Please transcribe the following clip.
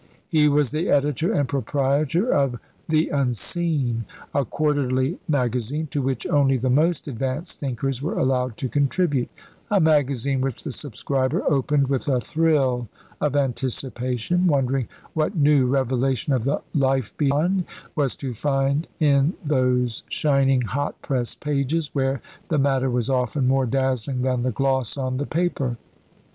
He was the editor and proprietor of The Unseen, a quarterly magazine, to which only the most advanced thinkers were allowed to contribute a magazine which the subscriber opened with a thrill of anticipation, wondering what new revelation of the "life beyond" he was to find in those shining, hot pressed pages, where the matter was often more dazzling than the gloss on the paper.